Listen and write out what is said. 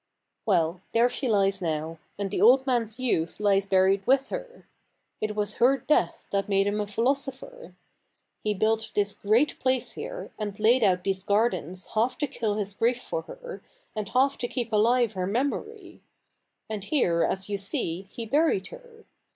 Well, there she lies now : and the old man's youth lies buried with her. It was her death that made him a philosopher. He built this great place here, and laid out these gardens half to kill his grief for her, and half to keep alive her memory ; and here, as you see, he buried her.